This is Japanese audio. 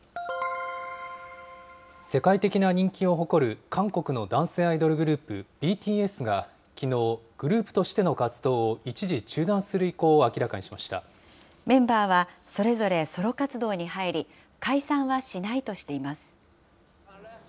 世界的な人気を誇る韓国の男性アイドルグループ、ＢＴＳがきのう、グループとしての活動を一時中断する意向を明らかにしましメンバーはそれぞれソロ活動に入り、解散はしないとしています。